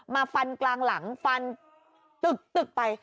ฟันกลางหลังฟันตึกไป